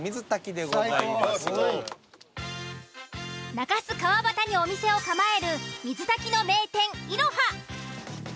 中州川端にお店を構える水炊きの名店「いろは」。